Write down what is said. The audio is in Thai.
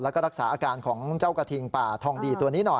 แล้วก็รักษาอาการของเจ้ากระทิงป่าทองดีตัวนี้หน่อย